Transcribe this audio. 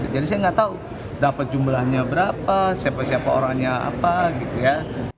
jadi saya nggak tahu dapat jumlahnya berapa siapa siapa orangnya apa gitu ya